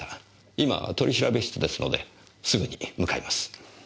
今取調室ですのですぐに向かいます。